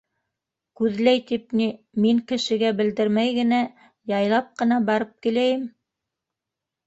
— Күҙләй тип ни, мин кешегә белдермәй генә, яйлап ҡына барып киләйем.